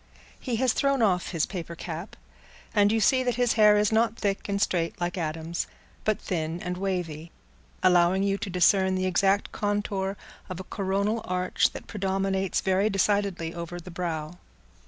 He has thrown off his paper cap, and you see that his hair is not thick and straight, like Adam's, but thin and wavy, allowing you to discern the exact contour of a coronal arch that predominates very decidedly over the brow.